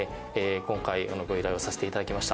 今回ご依頼をさせていただきました。